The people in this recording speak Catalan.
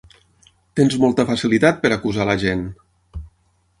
Tens molta facilitat per acusar a la gent!